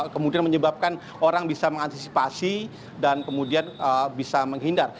kemudian menyebabkan orang bisa mengantisipasi dan kemudian bisa menghindar